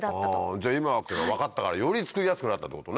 じゃあ今は分かったからより作りやすくなったってことね。